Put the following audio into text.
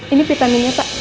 ini vitaminnya pak